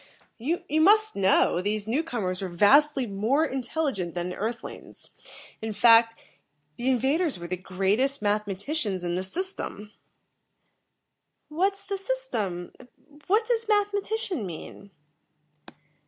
"You must know, these newcomers were vastly more intelligent than the Earth lings. In fact, the invaders were the greatest mathematicians in the System." "What's the System? And what does mathematician mean?"